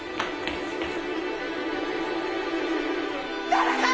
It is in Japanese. ・誰か！